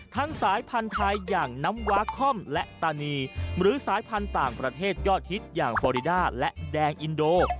สายพันธุ์ไทยอย่างน้ำวาคอมและตานีหรือสายพันธุ์ต่างประเทศยอดฮิตอย่างฟอริดาและแดงอินโด